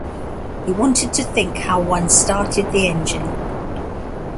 He wanted to think how one started the engine.